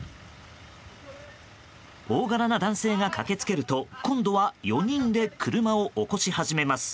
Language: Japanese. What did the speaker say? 大柄な男性が駆けつけると今度は４人で車を起こし始めます。